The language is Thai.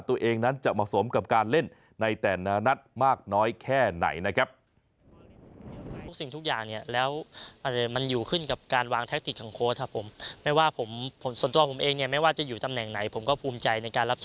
ตัวเองนั้นจะเหมาะสมกับการเล่นในแต่ละนัดมากน้อยแค่ไหนนะครับ